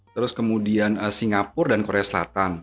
terus kemudian singapura dan korea selatan